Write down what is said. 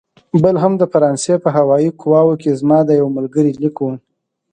بل هم د فرانسې په هوايي قواوو کې زما د یوه ملګري لیک و.